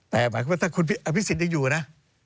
แต่หมายความว่าถ้าคุณอภิษฎยังอยู่นะ